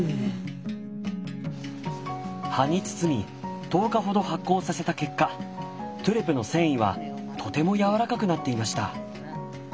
葉に包み１０日ほど発酵させた結果トゥレの繊維はとてもやわらかくなっていました。